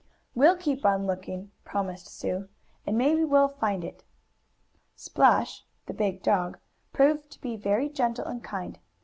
"We'll keep on looking," promised Bunny. "And maybe we'll find it." Splash, the big dog, proved to be very gentle and kind.